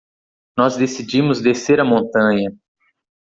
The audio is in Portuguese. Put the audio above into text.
Nós decidimos descer a montanha